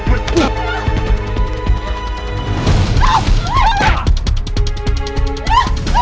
udah pada ngapain sih